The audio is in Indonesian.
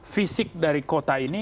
fisik dari kota ini